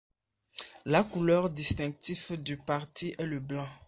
La couleur distinctive du parti est le blanc.